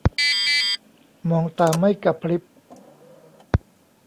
มองตาไม่กะพริบ